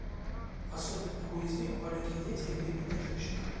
Особенно уязвимы маленькие дети и беременные женщины.